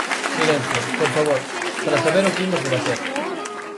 Silencio, por favor, para saber o que imos debater.